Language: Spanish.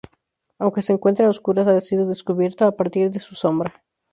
Aunque se encuentra a oscuras ha sido descubierto a partir de su sombra.